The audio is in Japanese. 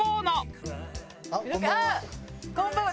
あっこんばんは。